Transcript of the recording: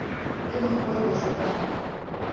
Тудым ойго шортара.